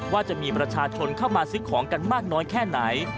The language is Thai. ว่าจะมีประชาชนเข้ามาซื้อของกันมากน้อยแค่ไหน